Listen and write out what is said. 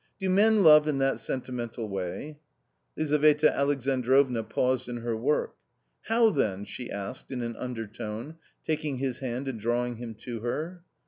Do men love in that sentimental way ?" Lizaveta Alexandrovna paused in her work. "How then?" she asked in an undertone, taking his hand and drawing him to her.